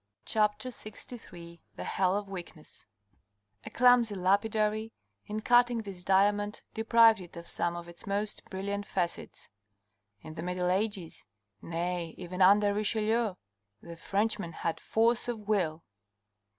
CHAPTER LXIII THE HELL OF WEAKNESS A clumsy lapidary, in cutting this diamond, deprived it of some of its most brilliant facets. In the middle ages, nay, even under Richelieu, the Frenchman had force ofivill.